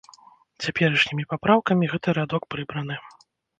Цяперашнімі папраўкамі гэты радок прыбраны.